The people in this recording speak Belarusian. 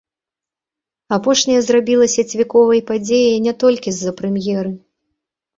Апошняя зрабілася цвіковай падзеяй не толькі з-за прэм'еры.